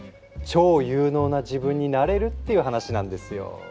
超有能な自分になれるっていう話なんですよ。